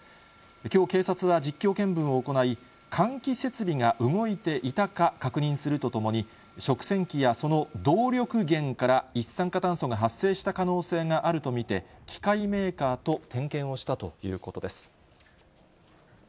きょう、警察は実況見分を行い、換気設備が動いていたか確認するとともに、食洗機やその動力源から一酸化炭素が発生した可能性があると見て、機械メーカーと点検をしたということです。